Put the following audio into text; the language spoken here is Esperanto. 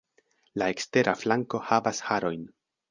La ekstera flanko havas harojn.